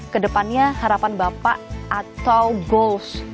kedepannya harapan bapak atau goals